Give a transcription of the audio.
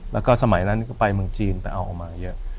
แล้วก็สมัยนั้นก็ไปเมืองจีนแต่เอาออกมาเยอะ